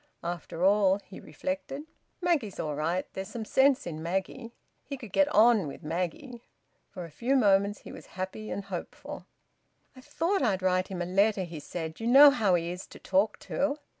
After all (he reflected) Maggie's all right there's some sense in Maggie. He could `get on' with Maggie. For a few moments he was happy and hopeful. "I thought I'd write him a letter," he said. "You know how he is to talk to."